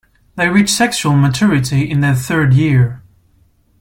They reach sexual maturity in their third year.